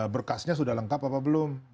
berkasnya sudah lengkap apa belum